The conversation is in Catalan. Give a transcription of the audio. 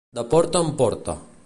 De porta en porta.